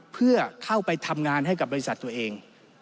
เพื่อเข้าไปทำงานให้กับบริษัทตัวเอง